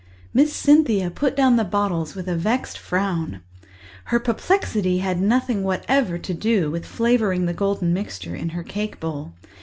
Miss Cynthia put down the bottles with a vexed frown; her perplexity had nothing whatever to do with flavouring the golden mixture in her cake bowl.